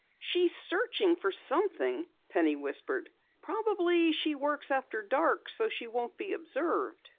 "She's searching for something," Penny whispered. "Probably she works after dark so she won't be observed."